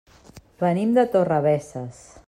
Venim de Torrebesses.